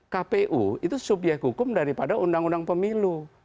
kpu itu subyek hukum daripada undang undang pemilu